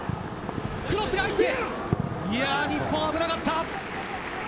クロスが入って日本、危なかった。